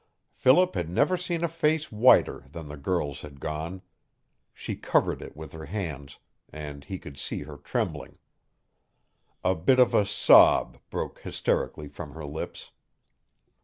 Philip had never seen a face whiter than the girl's had gone. She covered it with her hands, and he could see her trembling. A bit of a sob broke hysterically from her lips.